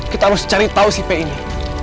kita harus cari tau si pe ini